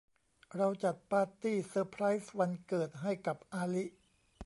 เราจัดปาร์ตี้เซอร์ไพร์ซวันเกิดให้กับอาลิ